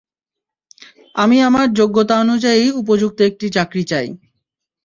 আমি আমার যোগ্যতানুযায়ী উপযুক্ত একটি চাকরি চাই।